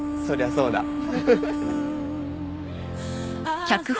そりゃそうだ。